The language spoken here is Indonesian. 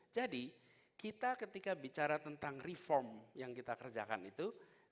jadi kita ketika bicara tentang reform yang kita kerjakan itu